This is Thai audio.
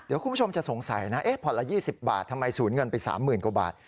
เดี๋ยวคุณผู้ชมจะสงสัยนะผ่อนละ๒๐บาททำไมสูญเงินไป๓๐๐๐กว่าบาท